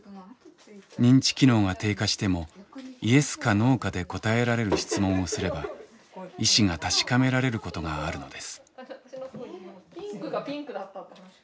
認知機能が低下してもＹＥＳかＮＯかで答えられる質問をすれば意思が確かめられることがあるのです。